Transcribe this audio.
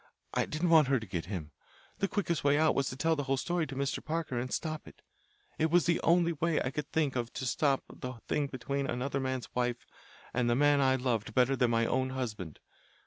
I didn't want her to get him. The quickest way out was to tell the whole story to Mr. Parker and stop it. It was the only way I could think of to stop this thing between another man's wife and the man I loved better than my own husband.